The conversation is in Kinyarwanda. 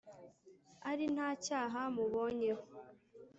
Ari nta cyaha mubonyeho